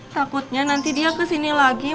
takutnya nanti dia kesini lagi